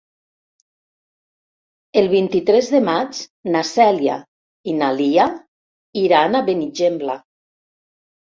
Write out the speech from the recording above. El vint-i-tres de maig na Cèlia i na Lia iran a Benigembla.